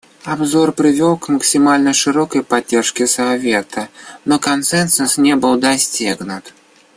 Обзор привел к максимально широкой поддержке Совета, но консенсус не был достигнут.